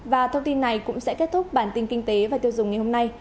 và thông tin này cũng sẽ kết thúc bản tin kinh tế và tiêu dùng ngày hôm nay